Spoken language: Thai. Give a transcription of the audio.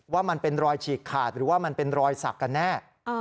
ว่ามันเป็นรอยฉีกขาดหรือว่ามันเป็นรอยสักกันแน่